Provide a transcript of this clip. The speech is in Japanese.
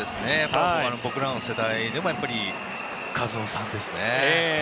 僕らの世代でも稼頭央さんですね。